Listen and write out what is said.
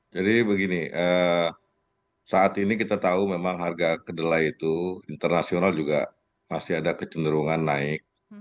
jadi begini saat ini kita tahu memang harga kedelai itu internasional juga masih ada kecenderungan naik